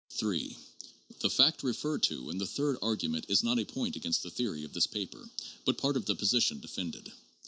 (3) The fact referred to in the third argument is not a point against the theory of this paper, but part of the position defended.